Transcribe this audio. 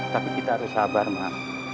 tapi kita harus sabar malam